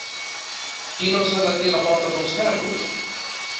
Quina alçada té la Porta dels Ferros?